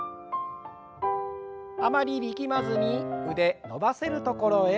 あまり力まずに腕伸ばせるところへ。